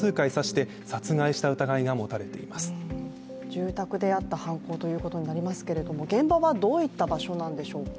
住宅であった犯行ということになりますけれども、現場はどういった場所なんでしょうか。